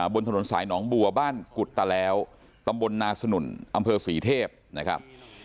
บนถนนสายหนองบัวบ้านกุฎตะแล้วตำบลนาสนุนอำเภอศรีเทพนะครับ